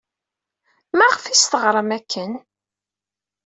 Maɣef ay as-teɣram akken?